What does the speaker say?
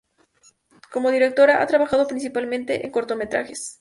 Como directora, ha trabajado principalmente en cortometrajes.